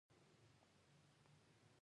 د صداقت لپاره اخلاق اړین دي